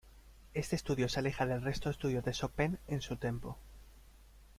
Este estudio se aleja del resto de Estudios de Chopin en su tempo.